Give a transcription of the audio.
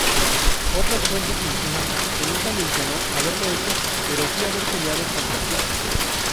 Otras fuentes mencionan que nunca mencionó haberlo hecho pero sí haber peleado contra Custer.